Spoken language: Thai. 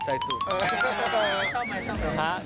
ชอบมั้ย